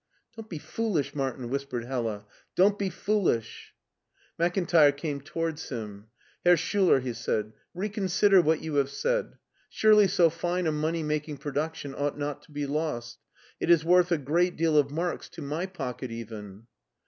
'' "Don't be foolish, Martin," whispered Hella; " don't be foolish." Makintire came towards him. " Herr Schuler," he said, " reconsider what you have said. Surely so fine a money making production ought not to be lost. It is worth a great deal of marks to my pocket even."